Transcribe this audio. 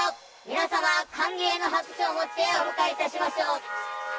皆様、歓迎の拍手をもってお迎えいたしましょう。